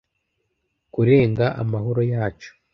Kurenga amahoro yacu?